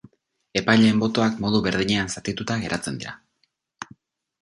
Epaileen botoak modu berdinean zatituta geratzen dira.